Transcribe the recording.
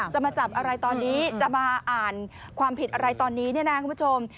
จะมาจับอะไรตอนนี้จะมาอ่านความผิดอะไรตอนนี้เนี่ยนะคุณผู้ชม